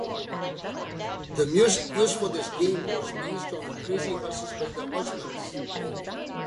The music used for this game was based on "Crazy Horses" by The Osmonds.